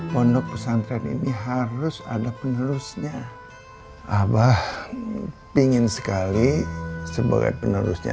pondok pesantren ini harus ada penerusnya abah pingin sekali sebagai penerusnya